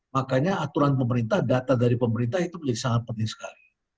makanya aturan pemerintah data dari pemerintah itu menjadi sangat penting sekali